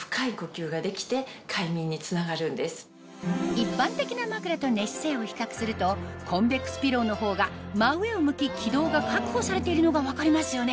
一般的な枕と寝姿勢を比較するとコンベックスピローのほうが真上を向き気道が確保されているのが分かりますよね？